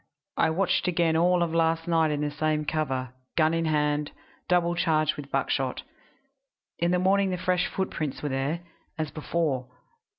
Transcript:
I watched again all of last night in the same cover, gun in hand, double charged with buckshot. In the morning the fresh footprints were there, as before.